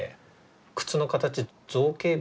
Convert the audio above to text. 靴の形造形美